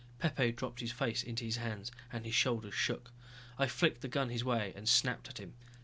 Pepe dropped his face into his hands and his shoulders shook. I flicked the gun his way and snapped at him.